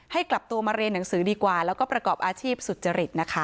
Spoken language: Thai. กลับตัวมาเรียนหนังสือดีกว่าแล้วก็ประกอบอาชีพสุจริตนะคะ